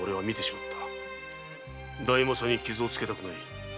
大政に傷をつけたくない。